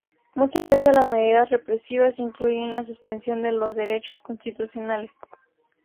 Muchas veces las medidas represivas incluyen la suspensión de los derechos constitucionales.